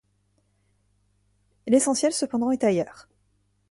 L'essentiel cependant est ailleurs.